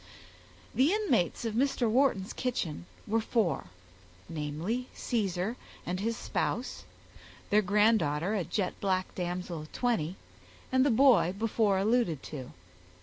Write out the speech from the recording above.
The inmates of Mr. Wharton's kitchen were four, namely, Caesar and his spouse, their granddaughter, a jet black damsel of twenty, and the boy before alluded to.